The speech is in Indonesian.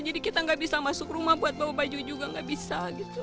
jadi kita gak bisa masuk rumah buat bawa baju juga gak bisa